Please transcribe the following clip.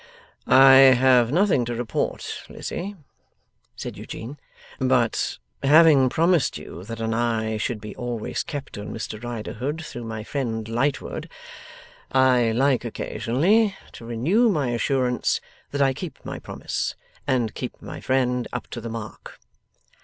'I have nothing to report, Lizzie,' said Eugene. 'But, having promised you that an eye should be always kept on Mr Riderhood through my friend Lightwood, I like occasionally to renew my assurance that I keep my promise, and keep my friend up to the mark.